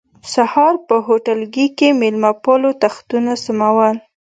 سهار په هوټلګي کې مېلمه پالو تختونه سمول.